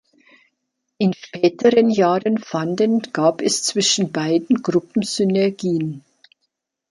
In späteren Jahren fanden gab es zwischen beiden Gruppen Synergien.